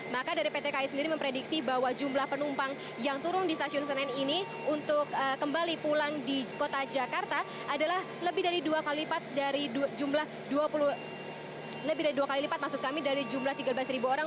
maka dari pt kai sendiri memprediksi bahwa jumlah penumpang yang turun di stasiun senen ini untuk kembali pulang di kota jakarta adalah lebih dari dua kali lipat dari jumlah dua puluh tiga orang